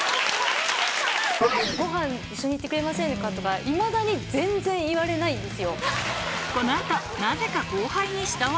「ご飯一緒に行ってくれませんか」とかいまだに全然言われないんですよ。